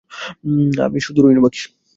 আমি শুধু রইনু বাকি।